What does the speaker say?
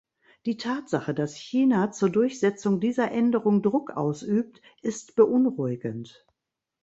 Die Tatsache, dass China zur Durchsetzung dieser Änderung Druck ausübt, ist beunruhigend.